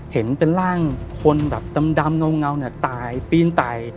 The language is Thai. เห็นเป็นร่างคนแบบดำเงาเนี่ยตายปีนตาย